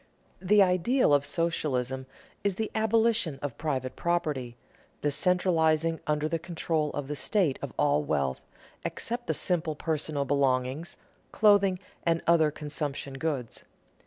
The ideal of socialism is the abolition of private property, the centralizing under the control of the state of all wealth, except the simple personal belongings, clothing and other consumption goods.